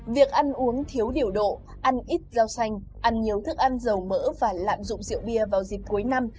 việc ăn uống thiếu điều độ ăn ít rau xanh ăn nhiều thức ăn dầu mỡ và lạm dụng rượu bia vào dịp cuối năm